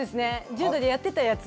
柔道でやってたやつ。